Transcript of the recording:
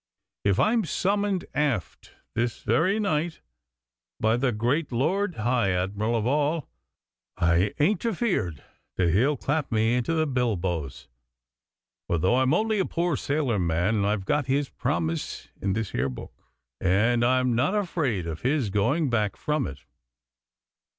If I'm summoned aft this very night by the great Lord High Admiral of all, I ain't afeared that He'll clap me into the bilboes, for though I'm only a poor sailor man, I've got His promise in this here book, and I'm not afraid of His going back from it.